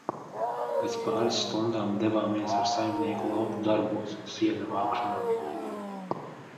"Pēc pāris stundām devāmies ar saimnieku lauku "darbos", siena vākšanā."